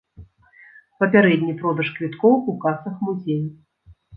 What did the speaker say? Папярэдні продаж квіткоў у касах музею.